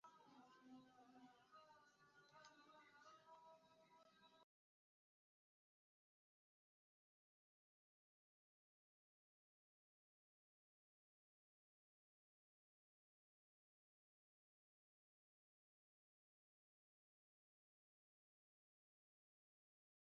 গলির ভিতরে জনকোলাহল নাই।